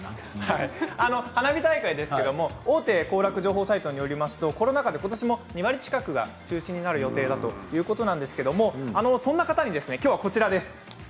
花火大会ですけれども大手情報サイトによりますとコロナ禍で、ことしも２割近くが中止になるということなんですがそんな方に、きょうはこちらです。